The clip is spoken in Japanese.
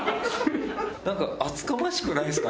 何か厚かましくないですか？